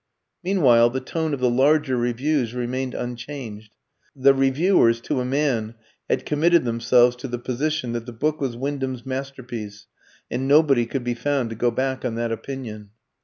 Meanwhile the tone of the larger reviews remained unchanged. The reviewers, to a man, had committed themselves to the position that the book was Wyndham's masterpiece; and nobody could be found to go back on that opinion.